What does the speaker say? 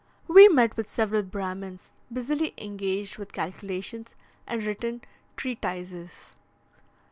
We met with several Brahmins busily engaged with calculations and written treatises.